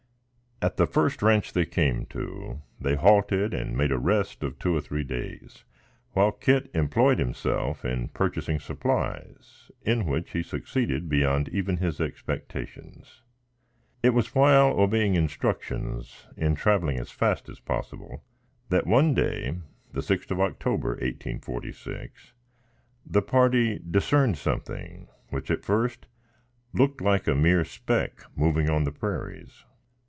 At the first ranche they came to, they halted and made a rest of two or three days, while Kit employed himself in purchasing supplies, in which he succeeded beyond even his expectations. It was while obeying instructions, in traveling as fast as possible, that one day, the sixth of October, 1846, the party discerned something which, at first, looked like a mere speck moving on the prairies.